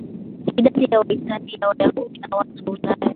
idadi ya Waitalia Wayahudi na watu wa Ulaya ya